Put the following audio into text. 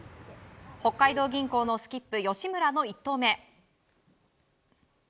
北海道銀行のスキップ吉村の１投目。